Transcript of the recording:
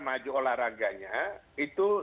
maju olahraganya itu